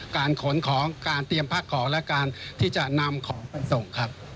ขนของการเตรียมพักของและการที่จะนำของไปส่งครับ